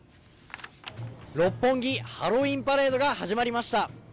六本木ハロウィーンパレードが始まりました。